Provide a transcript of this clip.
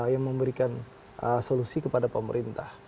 yang memberikan solusi kepada pemerintah